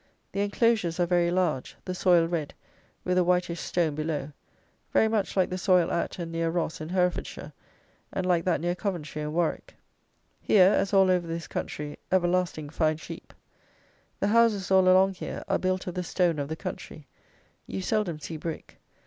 The enclosures are very large, the soil red, with a whitish stone below; very much like the soil at and near Ross in Herefordshire, and like that near Coventry and Warwick. Here, as all over this country, everlasting fine sheep. The houses all along here are built of the stone of the country: you seldom see brick.